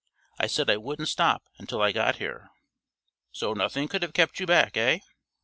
I said I wouldn't stop until I got here." "So nothing could have kept you back, eh?